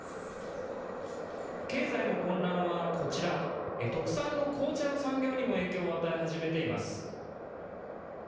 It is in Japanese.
経済の混乱はこちら、特産の紅茶の産業にも影響を与え始めています。